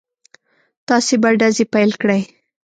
تاسې به ډزې پيل کړئ.